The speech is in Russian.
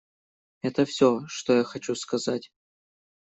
Это все, что я хочу сказать.